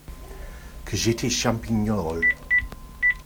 Que j’étais Champignol !